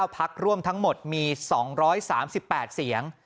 พักร่วมทั้งหมดมี๒๓๘เสียง